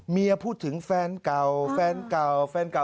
เมียพูดถึงแฟนเก่าแฟนเก่าแฟนเก่า